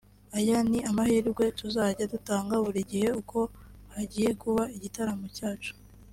aya ni amahirwe tuzajya dutanga buri gihe uko hagiye kuba igitaramo cyacu